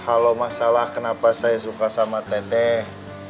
kalau masalah kenapa saya suka sama teteh